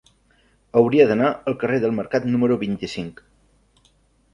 Hauria d'anar al carrer del Mercat número vint-i-cinc.